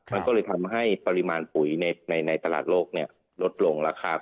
มันก็เลยทำให้ปริมาณปุ๋ยในตลาดโลกลดลงราคา